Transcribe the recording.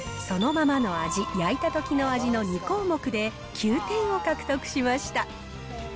そのままの味、焼いたときの味の２項目で、９点を獲得しました。